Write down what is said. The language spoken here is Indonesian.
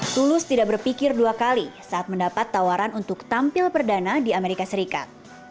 tulus tidak berpikir dua kali saat mendapat tawaran untuk tampil perdana di amerika serikat